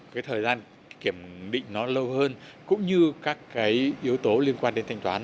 cái thời gian kiểm định nó lâu hơn cũng như các cái yếu tố liên quan đến thanh toán